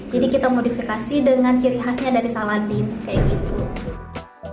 jadi kita modifikasi dengan kiri khasnya dari saladin kayak gitu